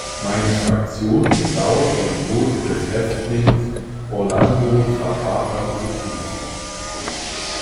Meine Fraktion bedauert den Tod des Häftlings Orlando Zapata zutiefst.